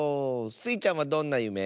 スイちゃんはどんなゆめ？